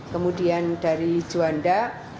kemudian dari juanda